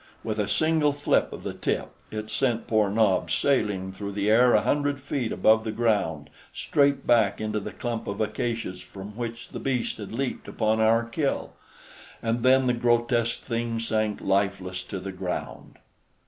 With a single flip of the tip it sent poor Nobs sailing through the air a hundred feet above the ground, straight back into the clump of acacias from which the beast had leaped upon our kill and then the grotesque thing sank lifeless to the ground.